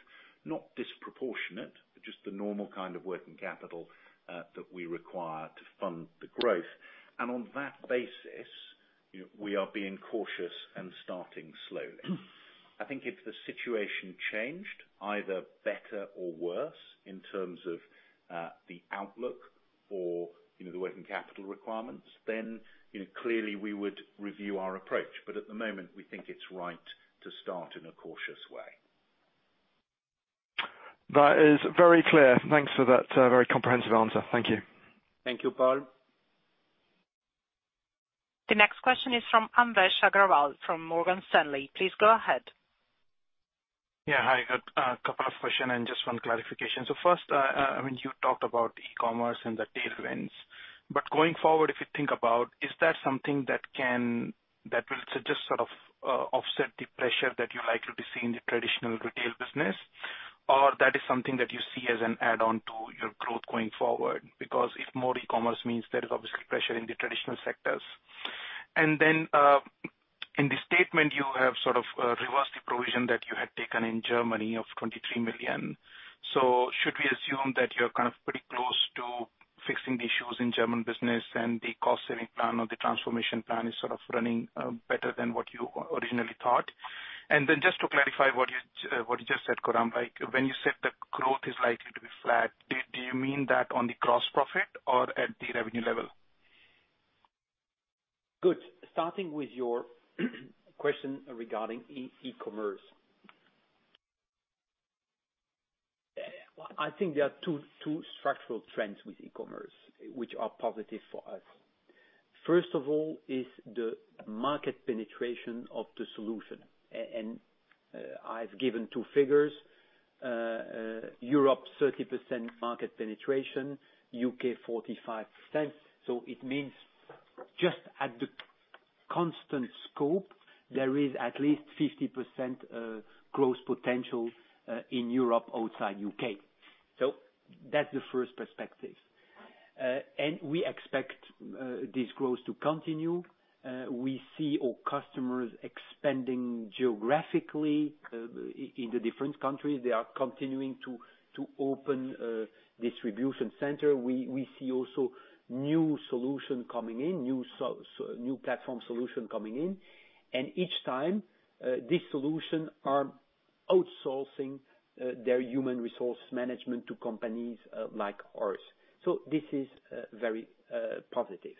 not disproportionate, but just the normal kind of working capital that we require to fund the growth. On that basis, we are being cautious and starting slowly. I think if the situation changed, either better or worse in terms of the outlook or the working capital requirements, then clearly we would review our approach. At the moment, we think it's right to start in a cautious way. That is very clear. Thanks for that very comprehensive answer. Thank you. Thank you, Paul. The next question is from Anvesh Agrawal of Morgan Stanley. Please go ahead. Yeah. Hi. A couple of questions and just one clarification. First, you talked about e-commerce and the tailwinds. Going forward, if you think about, is that something that will just sort of offset the pressure that you're likely to see in the traditional retail business? That is something that you see as an add-on to your growth going forward? If more e-commerce means there is obviously pressure in the traditional sectors. In the statement, you have sort of reversed the provision that you had taken in Germany of 23 million. Should we assume that you're kind of pretty close to fixing the issues in German business and the cost-saving plan or the transformation plan is sort of running better than what you originally thought? Just to clarify what you just said, Coram, when you said the growth is likely to be flat, do you mean that on the gross profit or at the revenue level? Good. Starting with your question regarding e-commerce. I think there are two structural trends with e-commerce, which are positive for us. First of all is the market penetration of the solution. And I've given two figures, Europe 30% market penetration, U.K. 45%. It means just at the constant scope, there is at least 50% growth potential in Europe, outside U.K. That's the first perspective. We expect this growth to continue. We see our customers expanding geographically in the different countries. They are continuing to open a distribution center. We see also new solution coming in, new platform solution coming in. Each time, these solutions are outsourcing their human resource management to companies like ours. This is very positive.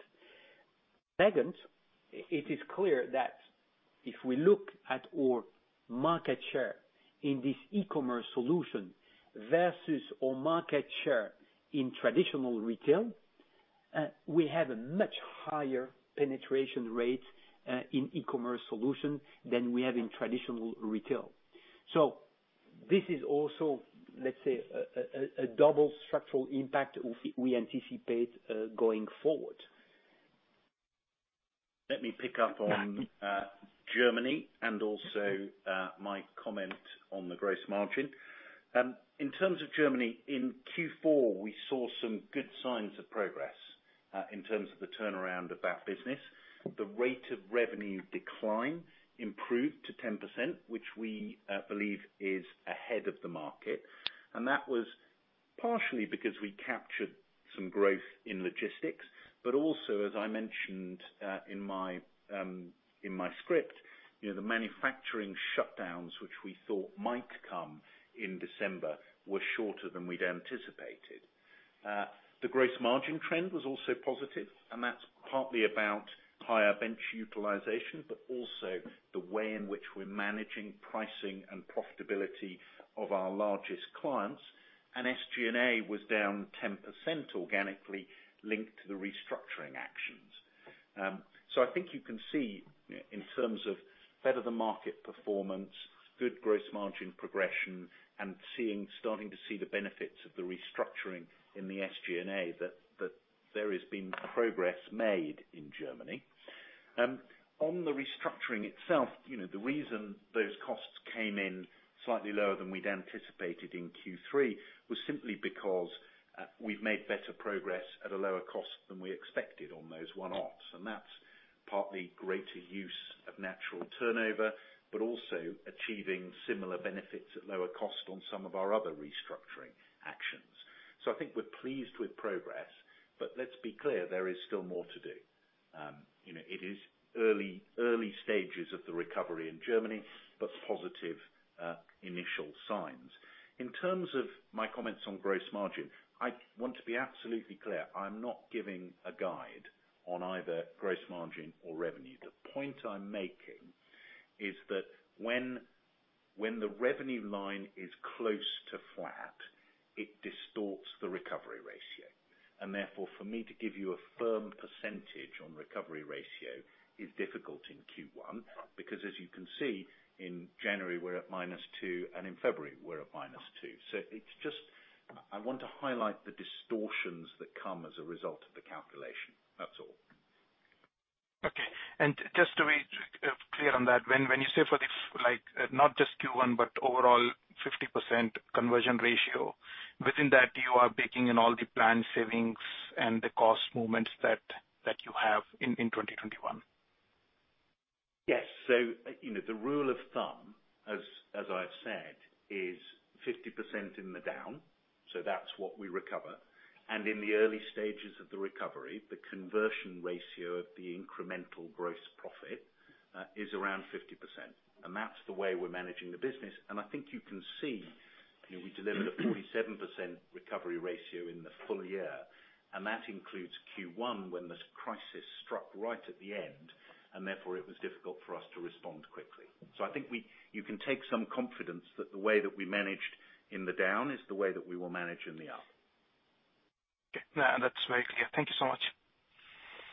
Second, it is clear that if we look at our market share in this e-commerce solution versus our market share in traditional retail, we have a much higher penetration rate in e-commerce solution than we have in traditional retail. This is also, let's say, a double structural impact we anticipate going forward. Let me pick up on Germany and also my comment on the gross margin. In terms of Germany, in Q4, we saw some good signs of progress in terms of the turnaround of that business. The rate of revenue decline improved to 10%, which we believe is ahead of the market. That was partially because we captured some growth in logistics, but also, as I mentioned in my script, the manufacturing shutdowns, which we thought might come in December, were shorter than we'd anticipated. The gross margin trend was also positive, and that's partly about higher bench utilization, but also the way in which we're managing pricing and profitability of our largest clients. SG&A was down 10% organically linked to the restructuring actions. I think you can see in terms of better than market performance, good gross margin progression, and starting to see the benefits of the restructuring in the SG&A, that there has been progress made in Germany. On the restructuring itself, the reason those costs came in slightly lower than we'd anticipated in Q3 was simply because we've made better progress at a lower cost than we expected on those one-offs. That's partly greater use of natural turnover, but also achieving similar benefits at lower cost on some of our other restructuring actions. I think we're pleased with progress, but let's be clear, there is still more to do. It is early stages of the recovery in Germany, but positive initial signs. In terms of my comments on gross margin, I want to be absolutely clear, I'm not giving a guide on either gross margin or revenue. The point I'm making is that when the revenue line is close to flat, it distorts the recovery ratio. Therefore, for me to give you a firm percentage on recovery ratio is difficult in Q1, because as you can see, in January, we're at -2, and in February, we're at -2. I want to highlight the distortions that come as a result of the calculation. That's all. Okay. Just to be clear on that, when you say for this, not just Q1, but overall 50% conversion ratio, within that, you are baking in all the planned savings and the cost movements that you have in 2021? Yes. The rule of thumb, as I've said, is 50% in the down. That's what we recover. In the early stages of the recovery, the conversion ratio of the incremental gross profit is around 50%. That's the way we're managing the business. I think you can see, we delivered a 47% recovery ratio in the full year, and that includes Q1 when this crisis struck right at the end, and therefore it was difficult for us to respond quickly. I think you can take some confidence that the way that we managed in the down is the way that we will manage in the up. Okay. No, that's very clear. Thank you so much.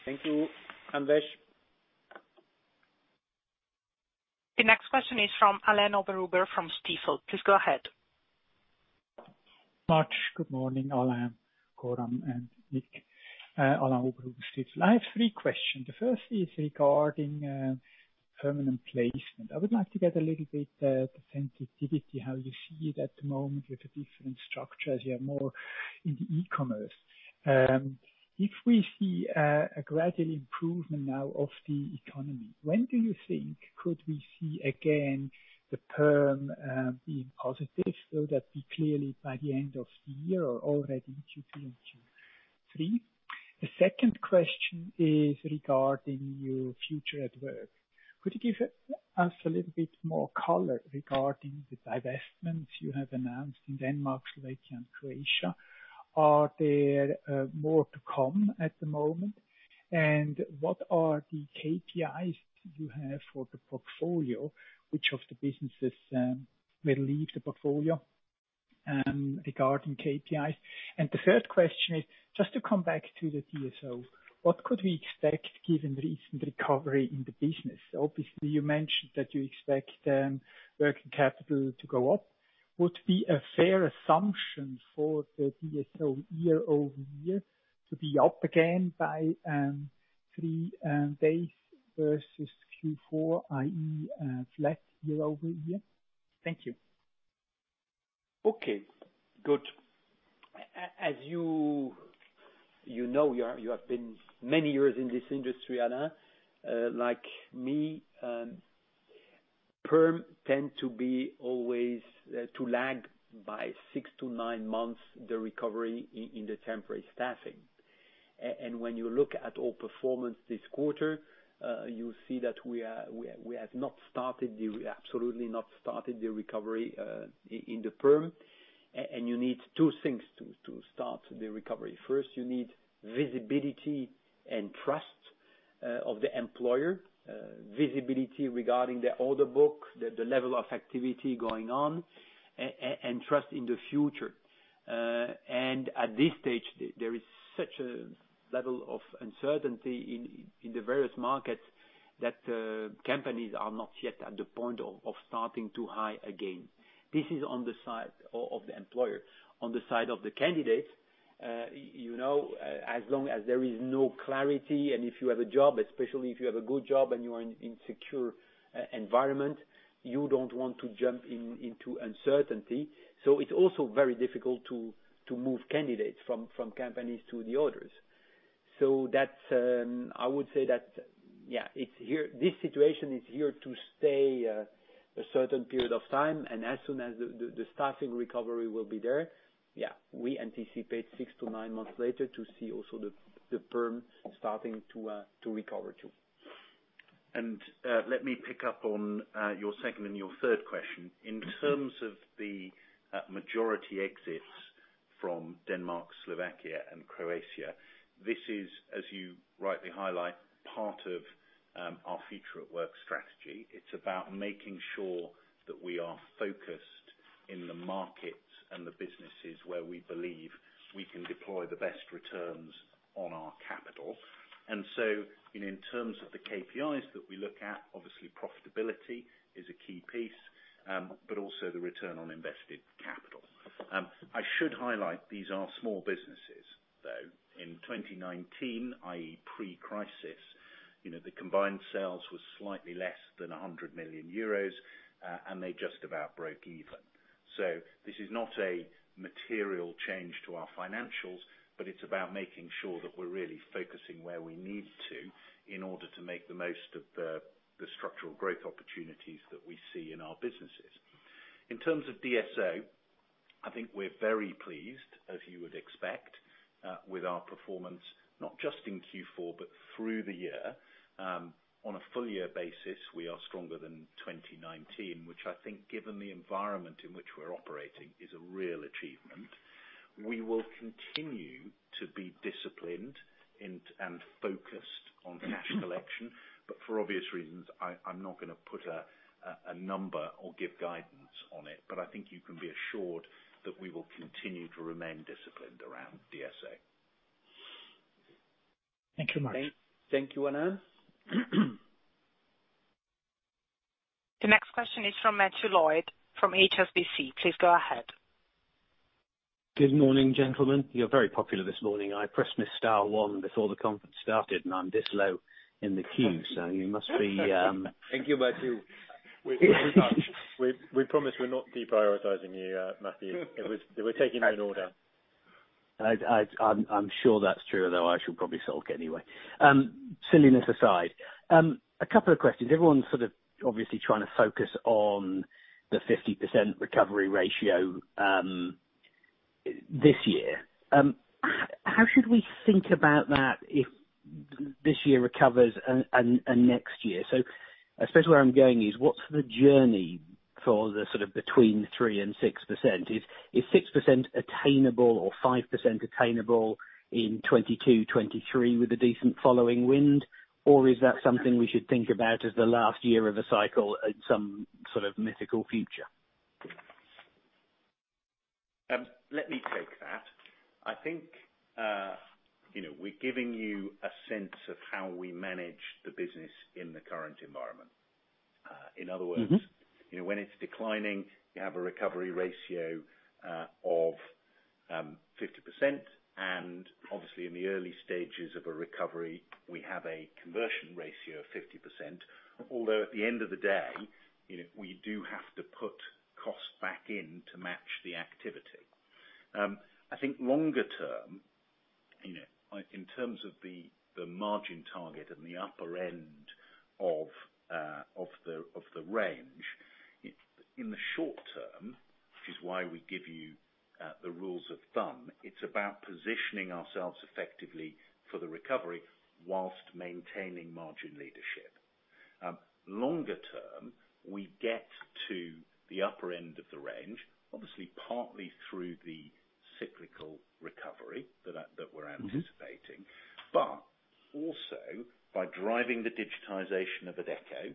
Thank you, Anvesh. The next question is from Alain Oberhuber from Stifel. Please go ahead. Much. Good morning, Alain, Coram, and Nic. Alain Oberhuber, Stifel. I have three questions. The first is regarding permanent placement. I would like to get a little bit sensitivity how you see it at the moment with the different structures. You are more in the e-commerce. If we see a gradual improvement now of the economy, when do you think could we see again the perm being positive? That be clearly by the end of the year or already Q3? The second question is regarding your Future@Work. Could you give us a little bit more color regarding the divestments you have announced in Denmark, Slovakia, and Croatia? Are there more to come at the moment? What are the KPIs you have for the portfolio? Which of the businesses will leave the portfolio regarding KPIs? The third question is, just to come back to the DSO, what could we expect given recent recovery in the business? Obviously, you mentioned that you expect working capital to go up. Would be a fair assumption for the DSO year-over-year to be up again by three days versus Q4, i.e., flat year-over-year? Thank you. Okay, good. As you know, you have been many years in this industry, Alain, like me, perm tend to be always to lag by 6-9 months the recovery in the temporary staffing. When you look at our performance this quarter, you see that we have absolutely not started the recovery in the perm. You need two things to start the recovery. First, you need visibility and trust of the employer, visibility regarding the order book, the level of activity going on, and trust in the future. At this stage, there is such a level of uncertainty in the various markets that companies are not yet at the point of starting to hire again. This is on the side of the employer. On the side of the candidate, as long as there is no clarity, and if you have a job, especially if you have a good job and you are in secure environment, you don't want to jump into uncertainty. It's also very difficult to move candidates from companies to the others. I would say that, yeah, this situation is here to stay a certain period of time. As soon as the staffing recovery will be there, yeah, we anticipate 6-9 months later to see also the perm starting to recover, too. Let me pick up on your second and your third question. In terms of the majority exits from Denmark, Slovakia and Croatia, this is, as you rightly highlight, part of our Future@Work strategy. It is about making sure that we are focused in the markets and the businesses where we believe we can deploy the best returns on our capital. In terms of the KPIs that we look at, obviously profitability is a key piece, but also the return on invested capital. I should highlight, these are small businesses, though. In 2019, i.e., pre-crisis, the combined sales was slightly less than 100 million euros, and they just about broke even. This is not a material change to our financials, but it's about making sure that we're really focusing where we need to in order to make the most of the structural growth opportunities that we see in our businesses. In terms of DSO, I think we're very pleased, as you would expect, with our performance, not just in Q4, but through the year. On a full year basis, we are stronger than 2019, which I think given the environment in which we're operating, is a real achievement. We will continue to be disciplined and focused on cash collection. For obvious reasons, I'm not going to put a number or give guidance on it, but I think you can be assured that we will continue to remain disciplined around DSO. Thank you, Mark. Thank you, Alain. The next question is from Matthew Lloyd from HSBC. Please go ahead. Good morning, gentlemen. You're very popular this morning. I pressed miss dial one before the conference started, and I'm this low in the queue, so you must be. Thank you, Matthew. We promise we're not deprioritizing you, Matthew. We're taking you in order. I'm sure that's true, although I should probably sulk anyway. Silliness aside, a couple of questions. Everyone's sort of obviously trying to focus on the 50% recovery ratio this year. How should we think about that if this year recovers and next year? I suppose where I'm going is what's the journey for the sort of between 3%-6%? Is 6% attainable or 5% attainable in 2022, 2023 with a decent following wind? Is that something we should think about as the last year of a cycle in some sort of mythical future? Let me take that. I think we're giving you a sense of how we manage the business in the current environment. In other words, when it is declining, you have a recovery ratio of 50%, and obviously in the early stages of a recovery, we have a conversion ratio of 50%, although at the end of the day, we do have to put cost back in to match the activity. I think longer term, in terms of the margin target and the upper end of the range, in the short term, which is why we give you the rules of thumb, it is about positioning ourselves effectively for the recovery while maintaining margin leadership. Longer term, we get to the upper end of the range, obviously partly through the cyclical recovery that we are anticipating. Also by driving the digitization of Adecco,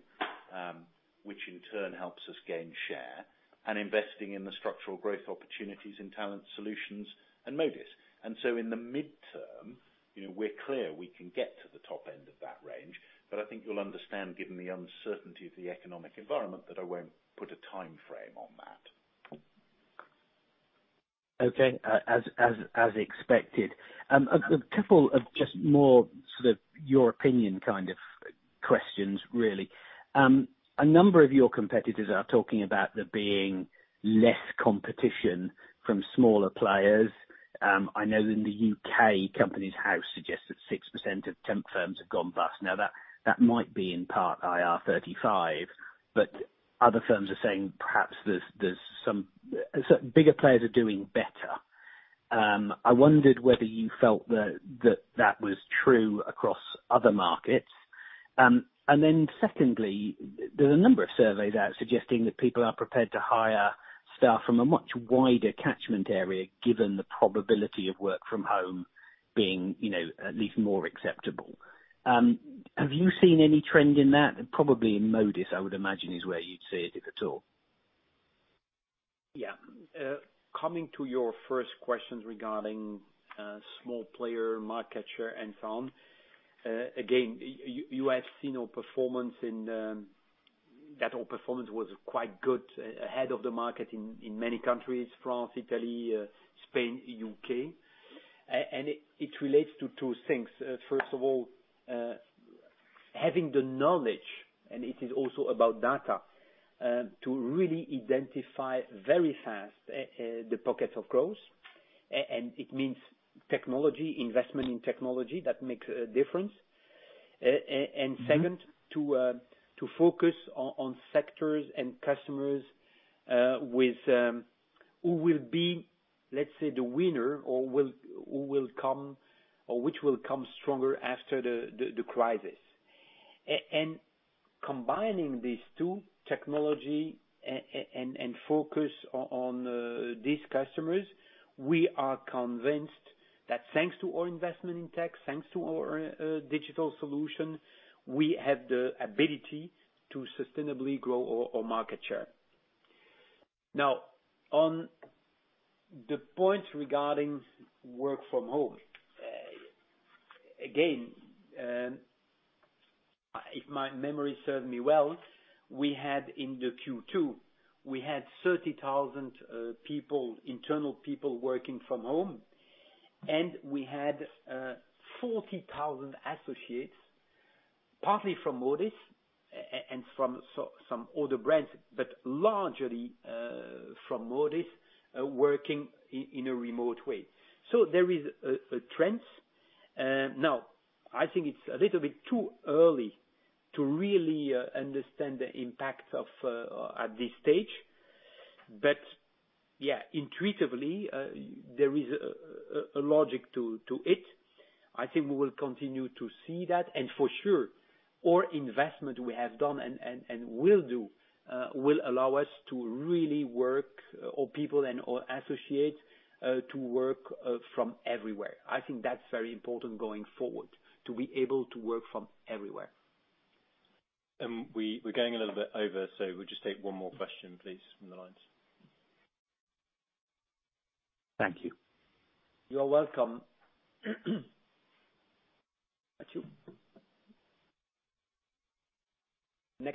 which in turn helps us gain share and investing in the structural growth opportunities in Talent Solutions and Modis. In the midterm, we're clear we can get to the top end of that range. I think you'll understand, given the uncertainty of the economic environment, that I won't put a timeframe on that. Okay. As expected. A couple of just more sort of your opinion kind of questions, really. A number of your competitors are talking about there being less competition from smaller players. I know in the U.K., Companies House suggests that 6% of temp firms have gone bust. Now, that might be in part IR35, but other firms are saying perhaps there's some bigger players are doing better. I wondered whether you felt that was true across other markets. Then secondly, there's a number of surveys out suggesting that people are prepared to hire staff from a much wider catchment area, given the probability of work from home being at least more acceptable. Have you seen any trend in that? Probably in Modis, I would imagine, is where you'd see it, if at all. Yeah. Coming to your first questions regarding small player, market share and so on. Again, you have seen our performance, and that whole performance was quite good, ahead of the market in many countries, France, Italy, Spain, U.K. It relates to two things. First of all, having the knowledge, and it is also about data, to really identify very fast the pockets of growth. It means technology, investment in technology that makes a difference. Second, to focus on sectors and customers who will be, let's say, the winner, or which will come stronger after the crisis. Combining these two, technology and focus on these customers, we are convinced that thanks to our investment in tech, thanks to our digital solution, we have the ability to sustainably grow our market share. Now, on the point regarding work from home. Again, if my memory serves me well, we had in Q2, 30,000 internal people working from home, and we had 40,000 associates, partly from Modis and from some other brands, but largely from Modis, working in a remote way. There is a trend. Now, I think it's a little bit too early to really understand the impact at this stage. Yeah, intuitively, there is a logic to it. I think we will continue to see that. For sure, all investment we have done and will do, will allow us to really work, all people and all associates, to work from everywhere. I think that is very important going forward, to be able to work from everywhere. We're going a little bit over, so we'll just take one more question, please, from the lines. Thank you. You are welcome. Thank you. The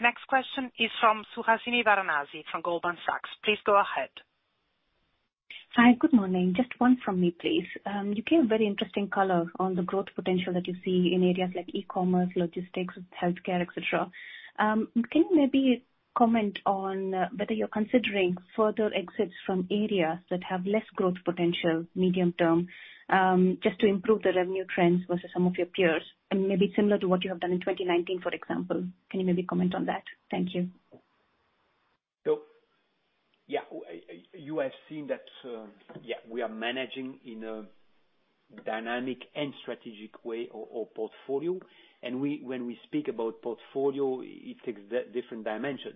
next question is from Suhasini Varanasi from Goldman Sachs. Please go ahead. Hi. Good morning. Just one from me, please. You gave very interesting color on the growth potential that you see in areas like e-commerce, logistics, healthcare, et cetera. Can you maybe comment on whether you're considering further exits from areas that have less growth potential medium term, just to improve the revenue trends versus some of your peers, and maybe similar to what you have done in 2019, for example. Can you maybe comment on that? Thank you. You have seen that we are managing in a dynamic and strategic way our portfolio. When we speak about portfolio, it takes different dimension.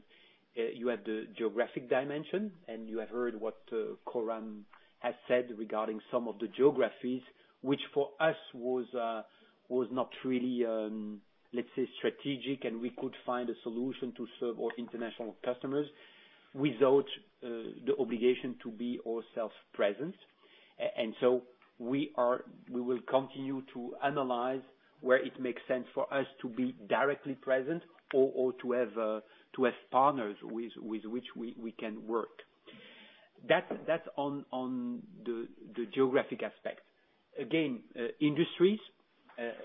You have the geographic dimension, and you have heard what Coram has said regarding some of the geographies, which for us was not really, let's say, strategic, and we could find a solution to serve our international customers without the obligation to be ourselves present. We will continue to analyze where it makes sense for us to be directly present or to have partners with which we can work. That's on the geographic aspect. Again, industries.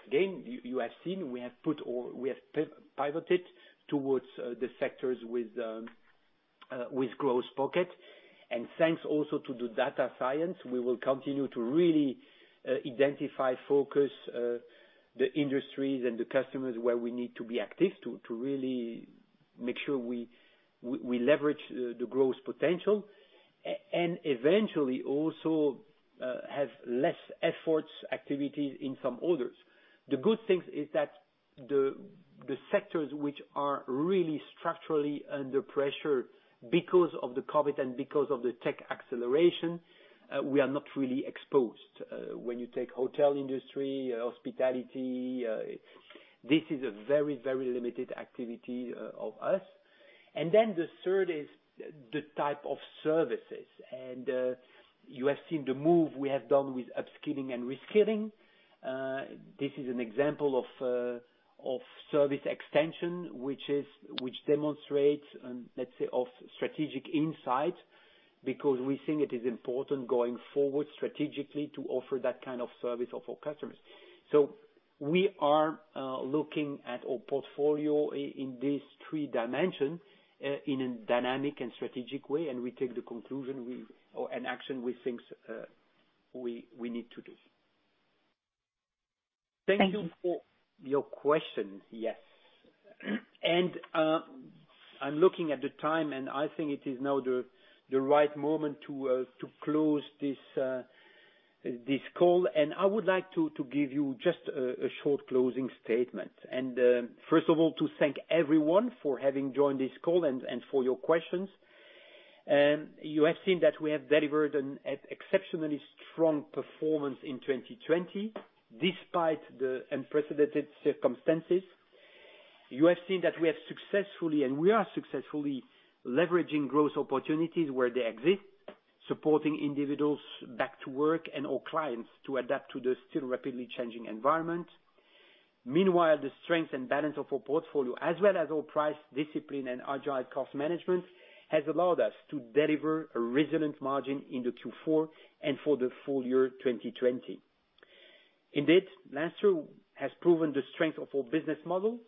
Again, you have seen we have pivoted towards the sectors with growth pocket. Thanks also to the data science, we will continue to really identify, focus the industries and the customers where we need to be active to really make sure we leverage the growth potential. Eventually, also have less efforts, activities in some others. The good things is that the sectors which are really structurally under pressure because of the COVID and because of the tech acceleration, we are not really exposed. When you take hotel industry, hospitality, this is a very, very limited activity of us. Then the third is the type of services. You have seen the move we have done with upskilling and reskilling. This is an example of service extension, which demonstrates, let's say, of strategic insight, because we think it is important going forward strategically to offer that kind of service of our customers. We are looking at our portfolio in these three dimension, in a dynamic and strategic way, and we take the conclusion with, or an action we think we need to do. Thank you. Thank you for your question. Yes. I'm looking at the time, and I think it is now the right moment to close this call. I would like to give you just a short closing statement. First of all, to thank everyone for having joined this call and for your questions. You have seen that we have delivered an exceptionally strong performance in 2020, despite the unprecedented circumstances. You have seen that we have successfully, and we are successfully leveraging growth opportunities where they exist, supporting individuals back to work and our clients to adapt to the still rapidly changing environment. Meanwhile, the strength and balance of our portfolio, as well as our price discipline and agile cost management, has allowed us to deliver a resilient margin in the Q4 and for the full year 2020. Indeed, last year has proven the strength of our business model,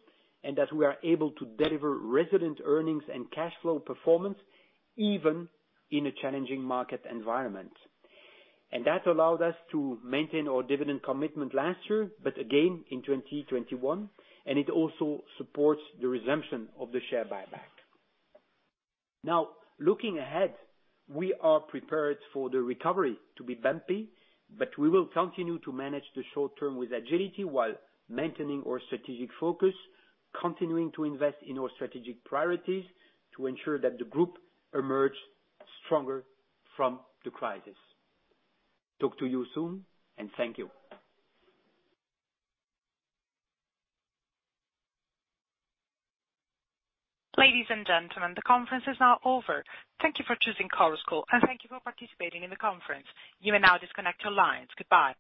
and that we are able to deliver resilient earnings and cash flow performance even in a challenging market environment. That allowed us to maintain our dividend commitment last year, but again in 2021. It also supports the resumption of the share buyback. Now, looking ahead, we are prepared for the recovery to be bumpy, but we will continue to manage the short term with agility while maintaining our strategic focus, continuing to invest in our strategic priorities to ensure that the group emerge stronger from the crisis. Talk to you soon, and thank you. Ladies and gentlemen, the conference is now over. Thank you for choosing Chorus Call, and thank you for participating in the conference. You may now disconnect your lines. Goodbye.